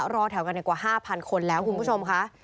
รอแถวกันกว่า๕๐๐คนแล้วคุณผู้ชมค่ะ